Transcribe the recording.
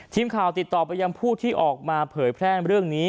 ทีมข่าวติดต่อไปยังผู้ที่ออกมาเผยแพร่เรื่องนี้